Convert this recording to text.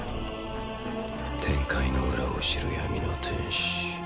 天界の裏を知る闇の天使